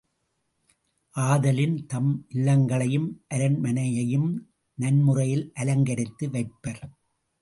ஆதலின், தம் இல்லங்களையும் அரண்மனைளையும் நன்முறையில் அலங்கரித்து வைப்பர்.